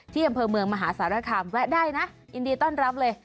ที่อำเภอเมืองมหาสารคามแวะได้นะยินดีต้อนรับเลย